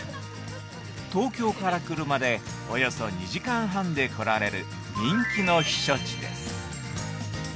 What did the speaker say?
東京から車でおよそ２時間半で来られる人気の避暑地です。